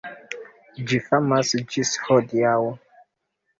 Ĝi famas ĝis hodiaŭ.